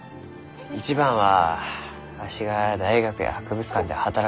一番はわしが大学や博物館で働くことじゃけんど。